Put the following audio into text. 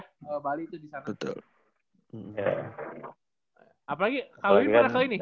kalau bali itu di sana